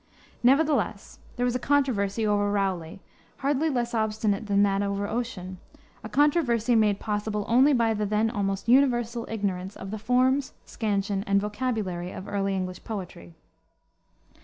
Nevertheless there was a controversy over Rowley, hardly less obstinate than that over Ossian, a controversy made possible only by the then almost universal ignorance of the forms, scansion, and vocabulary of early English poetry.